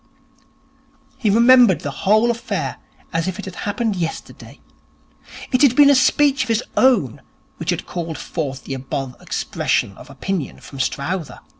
He remembered the whole affair as if it had happened yesterday. It had been a speech of his own which had called forth the above expression of opinion from Strowther.